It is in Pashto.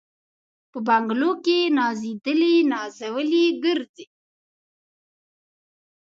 په بنګلو کي نازېدلي نازولي ګرځي